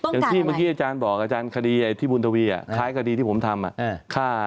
อย่างที่เมื่อกี้อาจารย์บอกอาจารย์คดีที่บุญทวีคล้ายคดีที่ผมทำ